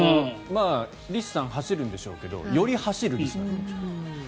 リスさん、走るんでしょうけどより走るんです。